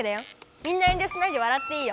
みんな遠りょしないでわらっていいよ。